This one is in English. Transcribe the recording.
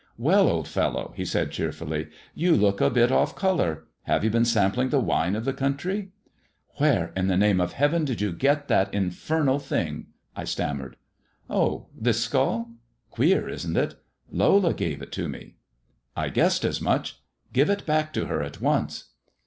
" Well, old fellow,'' he said cheerfully, '* you look a bit off colour. Have you been sampling the wine of the country ?"" Where in the name of heaven did you get that infernal thing V 1 stammered. " Oh, this skull ? Queer, isn't it *? Lola gave it to me." " I guessed as much : give it back to her at once."